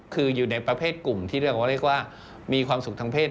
คืออยู่ในประเภทกลุ่มที่เรียกว่าเรียกว่ามีความสุขทางเพศ